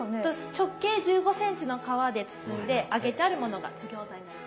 直径１５ｃｍの皮で包んで揚げてあるものが津ぎょうざになります。